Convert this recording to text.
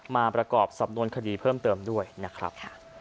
ประกอบสำนวนคดีเพิ่มเติมด้วยนะครับ